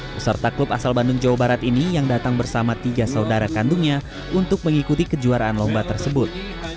peserta klub asal bandung jawa barat ini yang datang bersama tiga saudara kandungnya untuk mengikuti kejuaraan lomba tersebut